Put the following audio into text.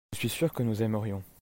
je suis sûr que nous aimerions.